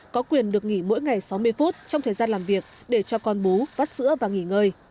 có quyền được nghỉ mỗi ngày sáu mươi phút trong thời gian làm việc để cho con bú vắt sữa và nghỉ ngơi